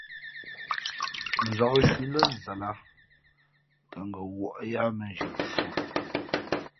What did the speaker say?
Nzāk nshui lά zal ā tα ngα̌ wᾱʼ yāā mēnzhi mfhʉ̄.